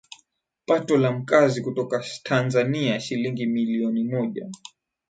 pato la Mkazi kutoka Tanzania shilingi milioni moja